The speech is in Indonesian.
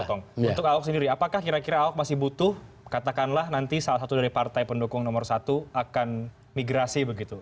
untuk ahok sendiri apakah kira kira ahok masih butuh katakanlah nanti salah satu dari partai pendukung nomor satu akan migrasi begitu